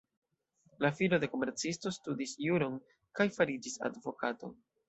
La filo de komercisto studis juron kaj fariĝis advokato.